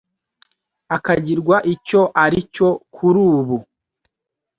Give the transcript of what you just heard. akagirwa icyo aricyo kurubu